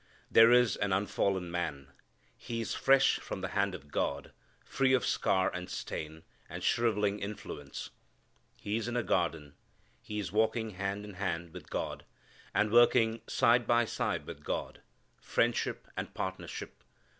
There is an unfallen man. He is fresh from the hand of God, free of scar and stain and shrivelling influence. He is in a garden. He is walking hand in hand with God, and working side by side with God: friendship and partnership.